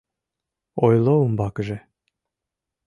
Ойло умбакыже.